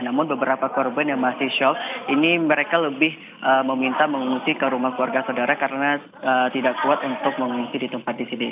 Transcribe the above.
namun beberapa korban yang masih shock ini mereka lebih meminta mengungsi ke rumah keluarga saudara karena tidak kuat untuk mengungsi di tempat di sini